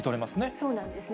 そうなんですね。